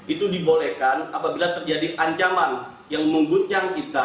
itu dibolehkan apabila terjadi ancaman yang mengguncang kita